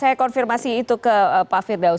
saya konfirmasi itu ke pak firdaus